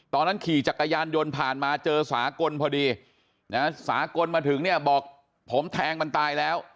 ขี่จักรยานยนต์ผ่านมาเจอสากลพอดีนะสากลมาถึงเนี่ยบอกผมแทงมันตายแล้ว